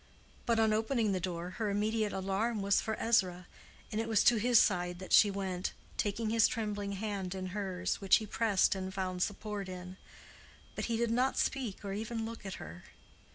But on opening the door her immediate alarm was for Ezra, and it was to his side that she went, taking his trembling hand in hers, which he pressed and found support in; but he did not speak or even look at her.